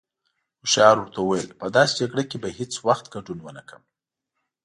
هوښيار ورته وويل: په داسې جگړه کې به هیڅ وخت گډون ونکړم.